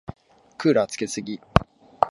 クーラーつけすぎ。